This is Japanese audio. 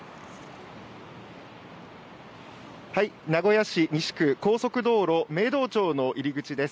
はい、名古屋市西区高速道路明道町の入り口です。